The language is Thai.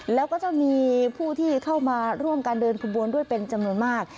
แล้วก็จะมีผู้ที่เข้ามาร่วมการเดินขบวนด้วยเป็นจำนวนมาก